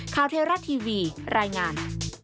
ข่าวเทราทีวีรายงาน